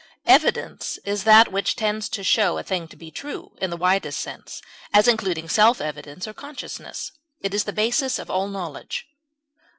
Evidence is that which tends to show a thing to be true; in the widest sense, as including self evidence or consciousness, it is the basis of all knowledge.